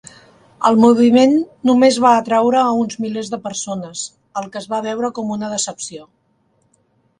El moviment només va atraure a uns milers de persones, el que es va veure com una decepció.